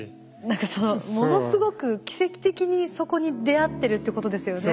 何かものすごく奇跡的にそこに出合ってるってことですよね。